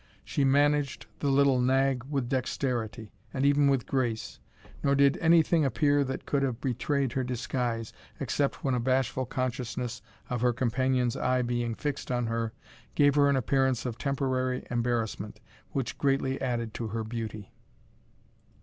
She managed the little nag with dexterity, and even with grace; nor did any thing appear that could have betrayed her disguise, except when a bashful consciousness of her companion's eye being fixed on her, gave her an appearance of temporary embarrassment, which greatly added to her beauty.